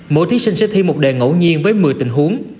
mỗi thí sinh sẽ thi một đề ngẫu nhiên với một mươi tình huống